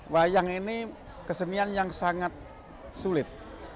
wayang ini kesenian yang sangat sulit